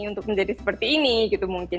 untuk menjadi seperti ini gitu mungkin